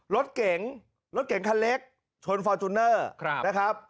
รถเก๋งรถเก่งคันเล็กชนฟอร์จูเนอร์นะครับ